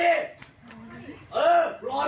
เออโทร